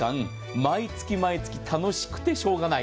毎月毎月楽しくてしようがない。